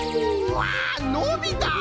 わっのびた！